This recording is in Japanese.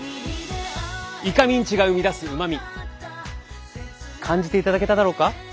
イカミンチが生み出すうまみ感じていただけただろうか？